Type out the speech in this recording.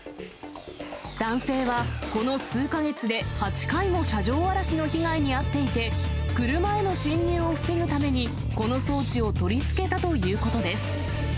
男性は、この数か月で８回も車上荒らしの被害に遭っていて、車への侵入を防ぐために、この装置を取り付けたということです。